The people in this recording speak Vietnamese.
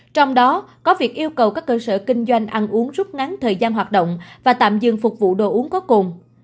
trong đó có việc yêu cầu các cơ sở kinh doanh ăn uống rút ngắn thời gian hoạt động và tạm dừng phục vụ đồ uống có cồn